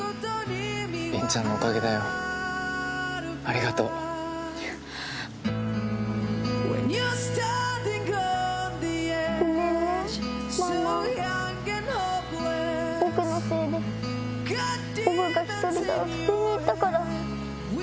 凜ちゃんのおかげだよありがとう。ごめんね。